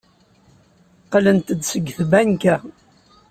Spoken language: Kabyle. Qqlent-d seg tbanka.